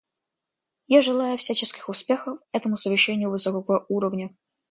Я желаю всяческих успехов этому совещанию высокого уровня.